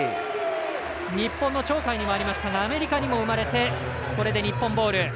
日本の鳥海にもありましたがアメリカにも生まれてこれで日本ボール。